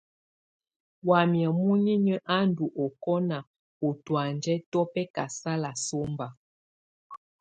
Wamɛ̀á muninyǝ a ndù ɔkɔna u tɔ̀ánjɛ tù bɛkasala sɔmba.